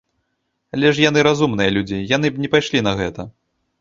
Але ж яны разумныя людзі, яны б не пайшлі на гэта.